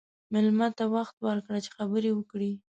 مېلمه ته وخت ورکړه چې خبرې وکړي.